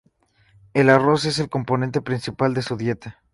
El arroz es el componente principal de su dieta.